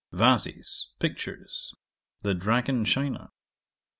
Vases. Pictures. The Dragon china.